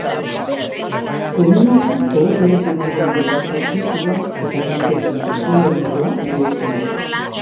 Komeni da kooperatibaren lege kontzeptua eta kontzeptu soziologikoa bereiztea.